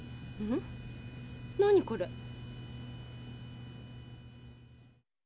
何これ？